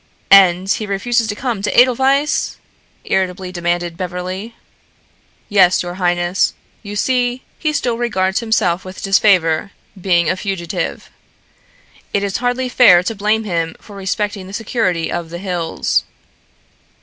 "And he refuses to come to Edelweiss?" irritably demanded Beverly. "Yes, your highness. You see, he still regards himself with disfavor, being a fugitive. It is hardly fair to blame him for respecting the security of the hills."